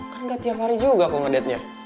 kan gak tiap hari juga kau ngedate nya